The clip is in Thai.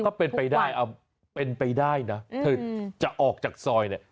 ก็เป็นไปได้นะเธอจะออกจากซอยเนี่ย